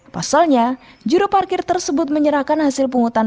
pasalnya juru parkir tersebut menyerahkan hasil penghutang